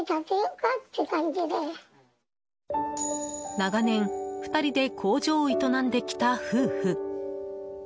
長年２人で工場を営んできた夫婦。